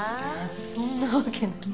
そんなわけ。